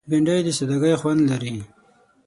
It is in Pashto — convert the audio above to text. بېنډۍ د سادګۍ خوند لري